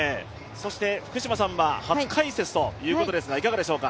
福島さんは初解説ということですがいかがでしょうか？